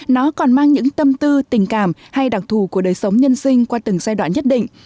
nó còn mang những tâm tư tình cảm hay đặc thù của đời sống nhân sinh qua từng giai đoạn nhất định